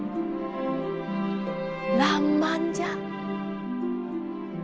らんまんじゃ。